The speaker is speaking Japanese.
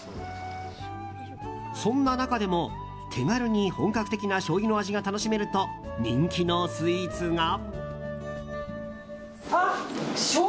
そんな中でも、手軽に本格的なしょうゆの味が楽しめると人気のスイーツが。